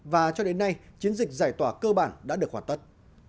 và cho đến nay chiến dịch giải tỏa cơ bản đã được hoàn tất